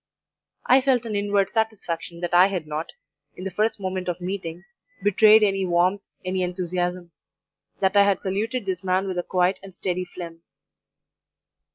"I felt an inward satisfaction that I had not, in the first moment of meeting, betrayed any warmth, any enthusiasm; that I had saluted this man with a quiet and steady phlegm.